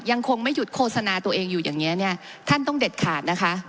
ยังคงไม่หยุดโฆษณาตัวเองอยู่อย่างนี้เนี่ยท่านต้องเด็ดขาดนะคะ